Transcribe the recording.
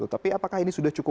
tapi apakah ini sudah cukup